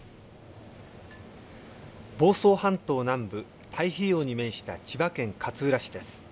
房総半島南部、太平洋に面した千葉県勝浦市です。